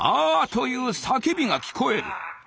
という叫びが聞こえる。